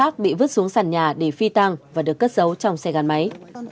cảnh nhà để phi tăng và được cất giấu trong xe gắn máy